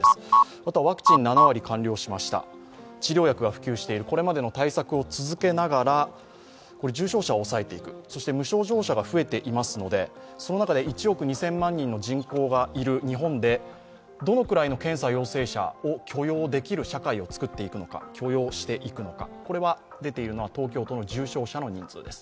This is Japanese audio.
あとはワクチン、７割完了しました治療薬が普及している、これまでの対策を続けながら重症者を抑えていく、そして無症状者が増えていますのでその中で、１億２０００万人の人口がいる日本でどのくらいの検査陽性者を許容できる社会を作っていけるか、許容していくのか。